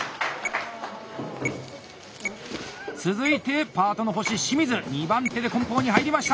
続いてパートの星・清水２番手で梱包に入りました！